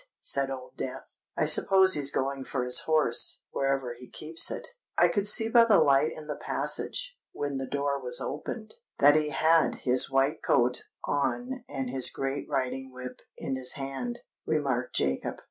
said Old Death. "I suppose he's going for his horse, wherever he keeps it." "I could see by the light in the passage, when the door was opened, that he had his white coat on and his great riding whip in his hand," remarked Jacob.